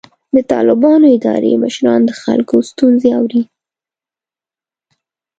د طالبانو اداري مشران د خلکو ستونزې اوري.